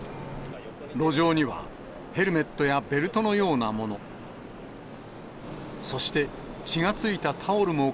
路上には、ヘルメットやベルトのようなもの。